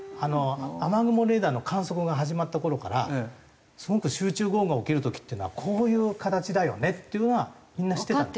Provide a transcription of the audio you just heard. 雨雲レーダーの観測が始まった頃からすごく集中豪雨が起きる時っていうのはこういう形だよねっていうのはみんな知ってたんです。